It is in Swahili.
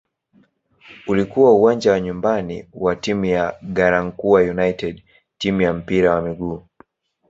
Ulikuwa uwanja wa nyumbani wa timu ya "Garankuwa United" timu ya mpira wa miguu.